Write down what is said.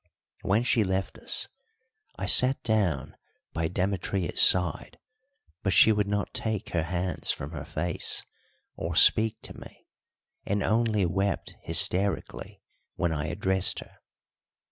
When she left us I sat down by Demetria's side, but she would not takeher hands from her face or speak to me, and only wept hysterically when I addressed her.